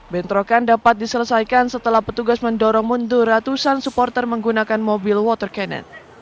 bentrokan dapat diselesaikan setelah petugas mendorong mundur ratusan supporter menggunakan mobil water cannon